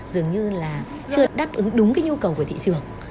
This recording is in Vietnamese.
dường như là chưa đáp ứng đúng cái nhu cầu của thị trường